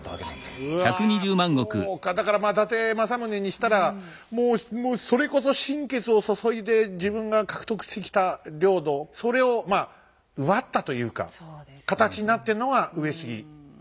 だからまあそれこそ心血を注いで自分が獲得してきた領土それをまあ奪ったというか形になってるのが上杉ま